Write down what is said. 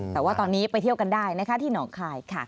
แต่ว่าตอนนี้ไปเที่ยวกันได้นะคะที่หนองคายค่ะ